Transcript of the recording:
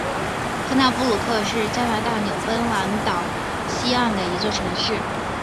科纳布鲁克是加拿大纽芬兰岛西岸的一座城市。